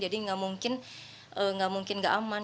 jadi gak mungkin gak aman